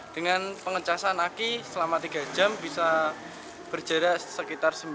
dengan pengecasan aki selama tiga jam bisa berjarak sekitar sembilan puluh km